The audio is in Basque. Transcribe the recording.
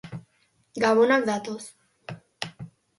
Gabonak datoz.